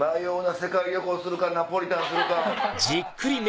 世界旅行するかナポリタンにするか。